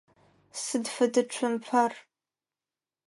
Сыд фэда цумпэр?